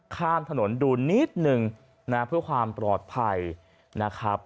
ข้ามถนนดูนิดนึงนะเพื่อความปลอดภัยนะครับ